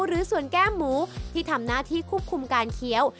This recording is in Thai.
หรือส่วนแก้มหมูที่ทำหน้าที่ควบคุมการเคี้ยว